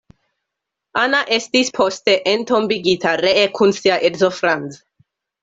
Anna estis poste entombigita ree kun sia edzo Franz.